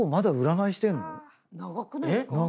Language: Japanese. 長くないですか？